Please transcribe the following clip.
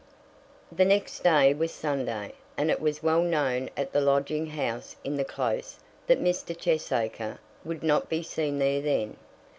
The next day was Sunday, and it was well known at the lodging house in the Close that Mr. Cheesacre would not be seen there then.